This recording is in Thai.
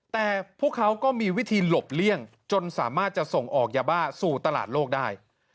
แต่พวกเขาก็มีวิธีหลบเลี่ยงจนสามารถจะส่งออกยาบ้าสู่ตลาดโลกได้